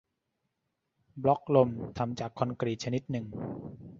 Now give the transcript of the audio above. บล็อกลมทำจากคอนกรีตชนิดหนึ่ง